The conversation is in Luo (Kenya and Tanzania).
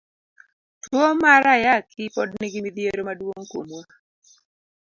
Tuo mara ayaki pod nigi mithiero maduong' kuomwa.